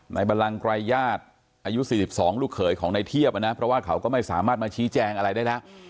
บรังไกรญาติอายุ๔๒ลูกเขยของในเทียบนะเพราะว่าเขาก็ไม่สามารถมาชี้แจงอะไรได้แล้ว